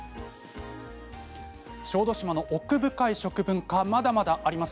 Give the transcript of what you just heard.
小豆島の奥深い食文化はまだまだあります。